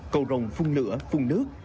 cầu rồng phun lửa phun nước